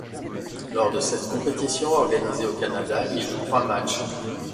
Lors de cette compétition organisée au Canada, il joue trois matchs.